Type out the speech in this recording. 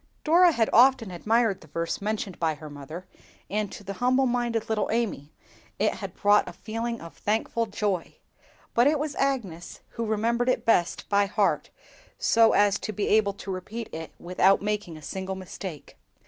Dora had often admired the verse mentioned by her mother, and to the humble minded little Amy it had brought a feeling of thankful joy; but it was Agnes who remembered it best by heart, so as to be able now to repeat it without making a single mistake.